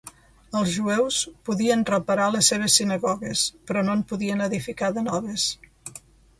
Els jueus podien reparar les seves sinagogues però no en podien edificar de noves.